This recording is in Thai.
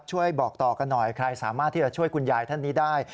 บอกต่อกันหน่อยใครสามารถที่จะช่วยคุณยายท่านนี้ได้